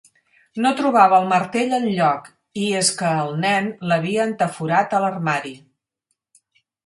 No trobava el martell enlloc, i és que el nen l'havia entaforat a l'armari.